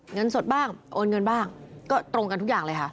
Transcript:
เงินสดบ้างโอนเงินบ้างก็ตรงกันทุกอย่างเลยค่ะ